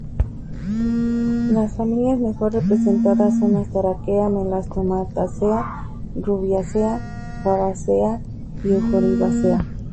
Las familias mejor representadas son Asteraceae, Melastomataceae, Rubiaceae, Fabaceae y Euphorbiaceae.